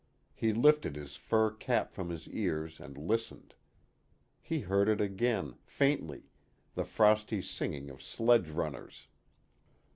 He lifted his fur cap from his ears and listened. He heard it again, faintly, the frosty singing of sledge runners.